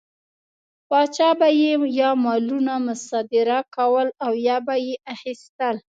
پاچا به یې یا مالونه مصادره کول او یا به یې اخیستل.